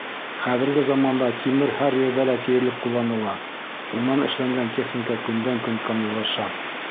Хәҙерге заманда тимер һәр ерҙә лә тиерлек ҡулланыла, унан эшләнгән техника көндән-көн камиллаша.